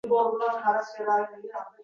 sen sari